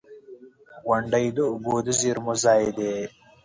• غونډۍ د اوبو د زیرمو ځای دی.